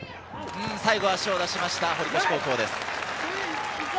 最後、足を出しました、堀越高校です。